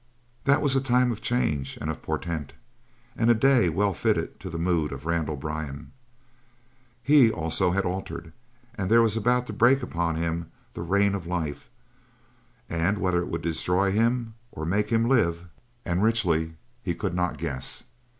That was a time of change and of portent, and a day well fitted to the mood of Randall Byrne. He, also, had altered, and there was about to break upon him the rain of life, and whether it would destroy him or make him live, and richly, he could not guess.